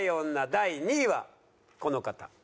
第２位はこの方。